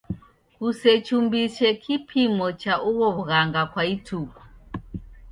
Kusechumbise kipimo cha ugho w'ughanga kwa ituku.